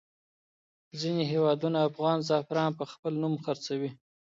ځینې هېوادونه افغان زعفران په خپل نوم خرڅوي.